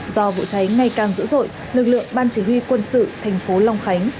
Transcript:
do vụ cháy ngày càng dữ dội lực lượng ban chỉ huy quân sự thành phố long khánh